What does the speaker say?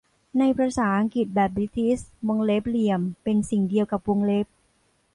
ในภาษาอังกฤษแบบบริติช วงเล็บเหลี่ยมเป็นสิ่งเดียวกับวงเล็บ